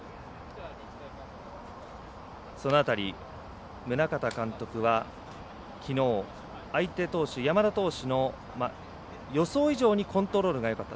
そのあたり宗像監督はきのう山田投手、予想以上にコントロールがよかった。